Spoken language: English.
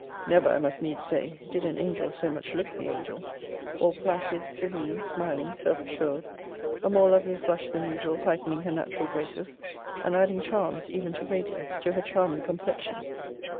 Never, I must need say, did an angel so much look the angel. All placid, serene, smiling, self assured: a more lovely flush than usual heightening her natural graces, and adding charms, even to radiance, to her charming complexion.